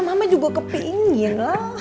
mama juga kepingin